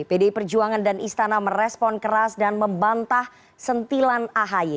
pdi perjuangan dan istana merespon keras dan membantah sentilan ahy